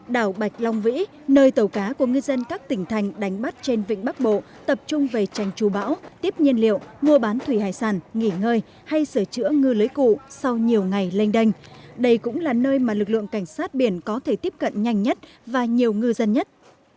đảo bạch long vĩ nơi tàu cá của ngư dân các tỉnh thành đánh bắt trên vịnh bắc bộ tập trung về tranh trù bão tiếp nhiên liệu mua bán thủy hải sản nghỉ ngơi hay sửa chữa ngư lưới cụ sau nhiều ngày lênh đành đây cũng là nơi mà lực lượng cảnh sát biển có thể tiếp cận nhanh nhất và nhiều ngư dân nhất